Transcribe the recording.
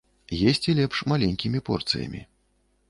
Есці лепш маленькімі порцыямі.